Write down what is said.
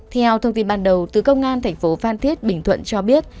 theo thông tin ban đầu từ công an tp phan thiết bình thuận cho biết